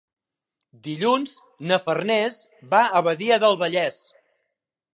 Dilluns na Farners va a Badia del Vallès.